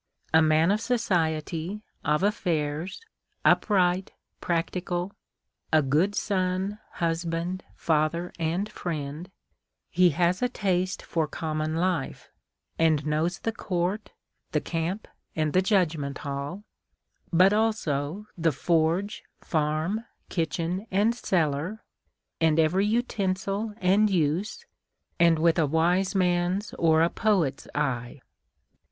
A man of society, of affairs; upright, practical; a good son, husband, father, and friend, — he has a taste for common life, and knows the court, the camp, and the judgment hall, but also the forge, farm, kitchen, and cellar, and every utensil and use, and with a wise man's or a poet's eye.